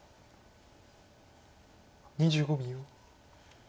２５秒。